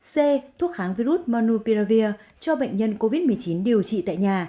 c thuốc kháng virus monupiravir cho bệnh nhân covid một mươi chín điều trị tại nhà